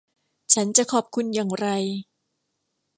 ฉันจะขอบคุณอย่างไร